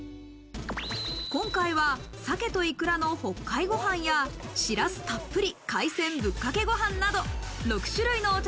今回は鮭といくらの北海ごはんや、しらすたっぷり海鮮ぶっかけごはんなど、６種類のお茶